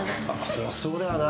そりゃそうだよな。